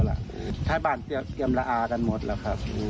ใช้บ้านเตรียมละอะกันหมดละครับ